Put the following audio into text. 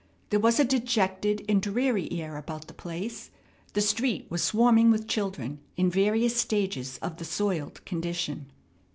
There was a dejected and dreary air about the place. The street was swarming with children in various stages of the soiled condition.